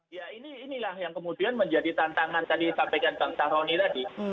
ya inilah yang kemudian menjadi tantangan tadi sampaikan bang sahroni tadi